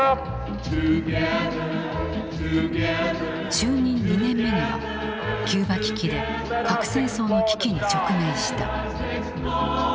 就任２年目にはキューバ危機で核戦争の危機に直面した。